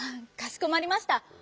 かしこまりました！